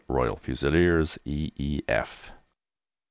Royal Fusiliers, E.E.F.